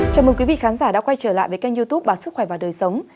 chào mừng quý vị khán giả đã quay trở lại với kênh youtube báo sức khỏe và đời sống